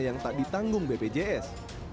yang tak ditanggung bpjs